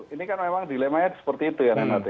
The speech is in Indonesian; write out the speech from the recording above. ini kan memang dilemanya seperti itu ya